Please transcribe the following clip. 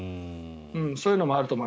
そういうのもあると思う。